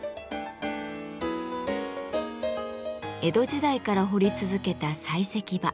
江戸時代から掘り続けた採石場。